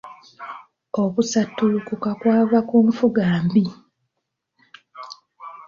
Okusattulukuka kwava ku nfuga mbi.